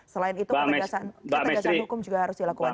selain itu ketegasan hukum juga harus dilakukan